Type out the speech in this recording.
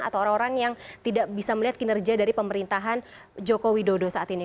atau orang orang yang tidak bisa melihat kinerja dari pemerintahan joko widodo saat ini